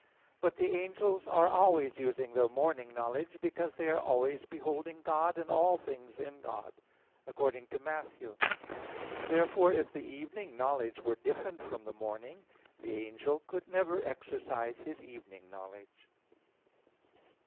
But the angels are always using their morning knowledge; because they are always beholding God and things in God, according to Matt. 18:10. Therefore, if the evening knowledge were different from the morning, the angel could never exercise his evening knowledge.